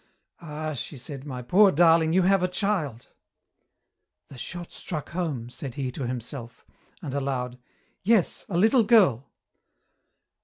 "Ah," she said, "my poor darling, you have a child." "The shot struck home," said he to himself, and aloud, "Yes, a little girl."